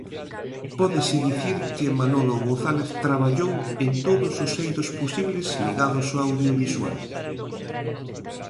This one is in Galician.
Pódese dicir que Manolo González traballou en todos os eidos posibles ligados ao audiovisual.